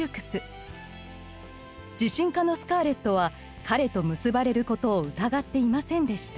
自信家のスカーレットは彼と結ばれることを疑っていませんでした。